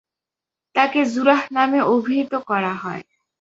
তাকে যুরাহ নামে অভিহিত করা হয়।